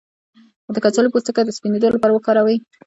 د کچالو پوستکی د سپینیدو لپاره وکاروئ